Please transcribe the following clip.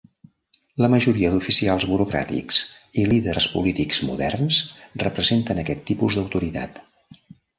La majoria d'oficials burocràtics i líders polítics moderns representen aquest tipus d'autoritat.